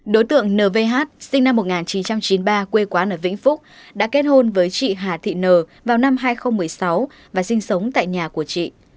đối tượng nv sinh năm một nghìn chín trăm chín mươi ba quê quán ở vĩnh phúc đã kết hôn với chị hà thị nờ vào năm hai nghìn một mươi sáu và sinh sống tại nhà của chị